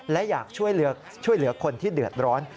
และอยากช่วยเหลือคนที่เดือดร้อน